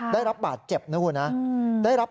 ได้รับบาดเจ็บนะคุณนะ